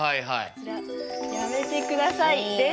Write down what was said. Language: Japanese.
こちら「やめてください」です。